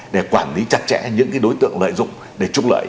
để quản lý chặt chẽ những đối tượng lợi dụng để trục lợi